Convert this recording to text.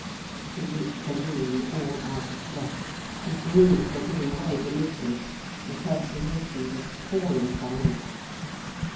He reached the ruin all out of breath. His knees were giving way beneath him; the perspiration was pouring from him.